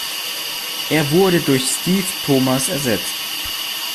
Er wurde durch Steve Thomas ersetzt.